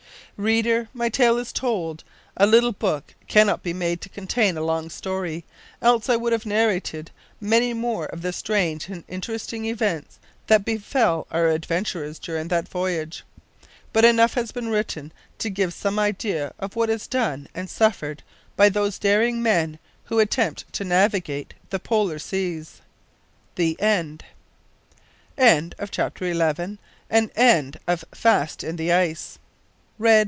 Reader, my tale is told. A little book cannot be made to contain a long story, else would I have narrated many more of the strange and interesting events that befell our adventurers during that voyage. But enough has been written to give some idea of what is done and suffered by those daring men who attempt to navigate the Polar seas. THE END. End of the Project Gutenberg EBook of Fast in the Ice, by R.